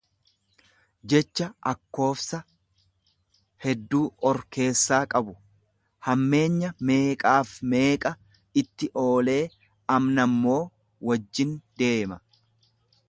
jecha akkoofsa hedduu or keessaa qabu; Hammeenya meeqaaf meeqa itti oolee amnammoo wajjin deema.